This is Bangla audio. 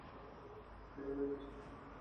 এভাবে এক বিশাল সাম্রাজ্য প্রতিষ্ঠা করেন।